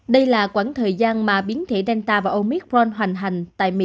đây là quãng thời gian mà biến thể delta và omicron hoành hành